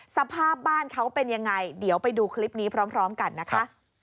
สภาพบ้านเขาเป็นยังไงเดี๋ยวไปดูคลิปนี้พร้อมกันนะคะ